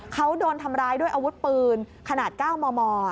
เขาโดนทำร้ายด้วยอาวุธปืนขนาด๙มม